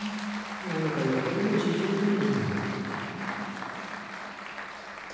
何かよほどの事情でも。